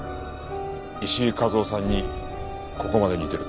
石井和夫さんにここまで似てるとは。